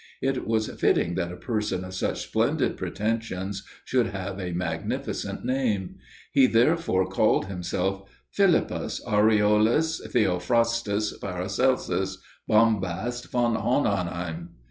It was fitting that a person of such splendid pretensions should have a magnificent name. He, therefore, called himself PHILIPPUS AUREOLUS THEOPHRASTUS PARACELSUS BOMBAST VON HOHENHEIM.